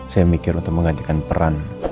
saya mikir untuk mengajukan peran